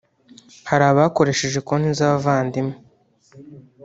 hari abakoresheje konti z’abavandimwe